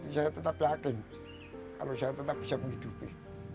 saya tetap yakin kalau saya tetap bisa menghidupi